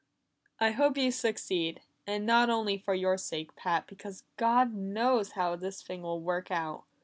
"I hope you succeed; and not only for your sake, Pat, because God knows how this thing will work out.